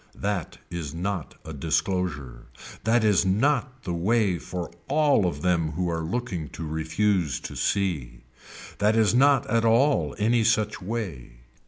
That is not a disclosure. That is not the way for all of them who are looking to refuse to see. That is not at all any such way.